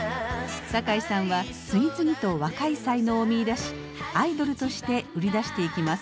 酒井さんは次々と若い才能を見いだしアイドルとして売り出していきます。